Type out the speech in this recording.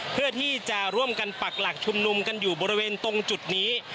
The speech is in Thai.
เพื่อที่จะร่วมกันปักหลักชุมนุมกันอยู่บริเวณตรงจุดนี้